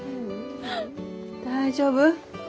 大丈夫？